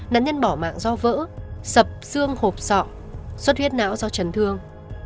nạn nhân bỏ mạng do vỡ sập xương hộp sọ suất huyết não do trần thương